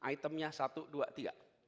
itemnya satu dua tiga